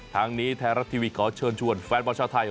ทางนี้ไทยรัฐทีวีขอเชิญชวนแฟนบอลชาวไทย